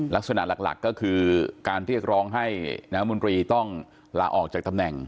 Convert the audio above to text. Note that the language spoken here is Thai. ลักษณะหลักก็คือการเรียกร้องให้น้ำมนตรีต้องลาออกจากตำแหน่ง